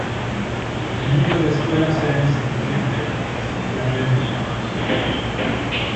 El número de escuelas era insuficiente, en especial en el campo.